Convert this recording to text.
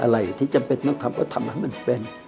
อะไรที่จำเป็นต้องทำก็ทำให้มันเป็น